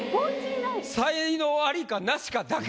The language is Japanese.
才能アリかナシかだけ。